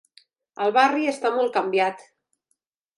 El barri està molt canviat.